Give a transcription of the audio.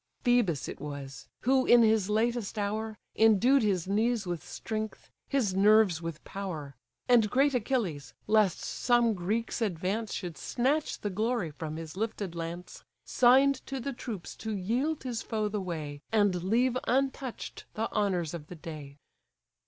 Phœbus it was; who, in his latest hour, Endued his knees with strength, his nerves with power: And great Achilles, lest some Greek's advance Should snatch the glory from his lifted lance, Sign'd to the troops to yield his foe the way, And leave untouch'd the honours of the day.